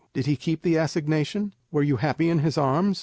Did he keep the assignation? Were you happy in his arms?